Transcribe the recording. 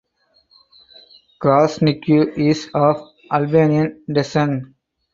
Krasniqi is of Albanian descent.